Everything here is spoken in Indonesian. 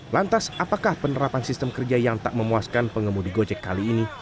lantas apakah penerapan sistem kerja yang tak memuaskan pengemudi gojek kali ini